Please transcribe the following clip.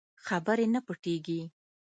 خبرې نه پټېږي.